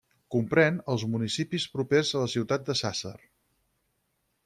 Comprèn els municipis propers a la ciutat de Sàsser.